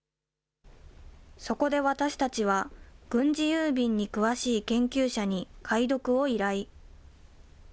そこで私たちは、軍事郵便に詳しい研究者に解読を依頼。